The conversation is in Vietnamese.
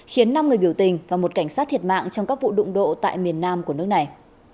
khiến năm người biểu tình và một cảnh sát thiệt mạng trong các vụ đụng độ tại miền nam của nước này